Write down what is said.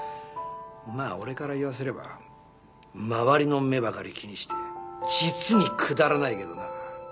まあ俺から言わせれば周りの目ばかり気にして実にくだらないけどな。